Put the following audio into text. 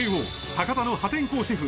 博多の破天荒シェフ